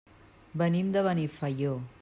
Venim de Benifaió.